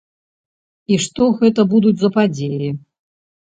І што гэта будуць за падзеі?